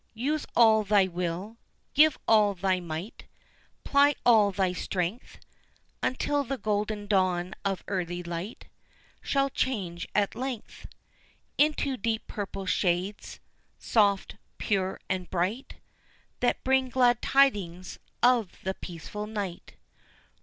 use all thy will, give all thy might, Ply all thy strength, Until the golden dawn of early light Shall change at length Into deep purple shades, soft, pure and bright, That bring glad tidings of the peaceful night.